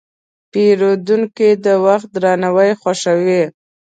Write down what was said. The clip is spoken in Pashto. پیرودونکی د وخت درناوی خوښوي.